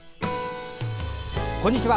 こんにちは。